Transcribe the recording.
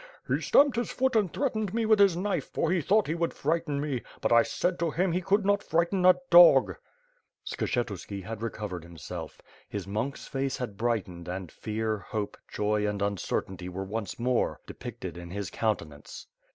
He stamped his foot and threatened me with his knife for he thought he would frighten me; but I said to him he could not frighten a dog." Skshetuski had recovered himself. His monk's face had brightened and fear, hope, joy and uncertainty were once more depicted in his countenance.